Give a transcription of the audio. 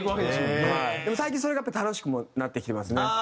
でも最近それがやっぱり楽しくもなってきてますね。